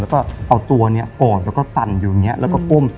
แล้วก็เอาตัวเนี่ยกอดแล้วก็สั่นอยู่อย่างนี้แล้วก็ก้ม